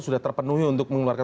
sudah terpenuhi untuk mengeluarkan